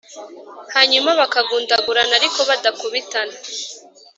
hanyuma bakagundagurana ariko badakubitana.